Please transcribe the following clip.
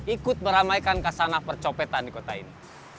ikut meramaikan kasanah percopetan di kota ini